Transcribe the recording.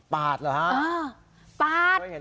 ปาดเหรอฮะ